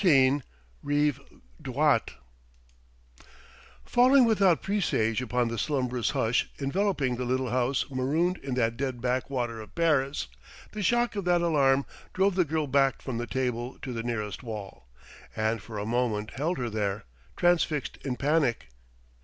XIV RIVE DROIT Falling without presage upon the slumberous hush enveloping the little house marooned in that dead back water of Paris, the shock of that alarm drove the girl back from the table to the nearest wall, and for a moment held her there, transfixed in panic.